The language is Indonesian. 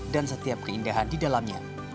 dan setiap keindahan di dalamnya